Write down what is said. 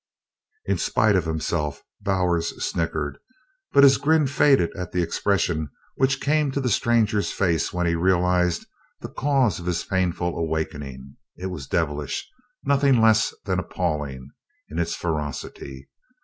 In spite of himself, Bowers snickered, but his grin faded at the expression which came to the stranger's face when he realized the cause of his painful awakening. It was devilish, nothing less than appalling, in its ferocity.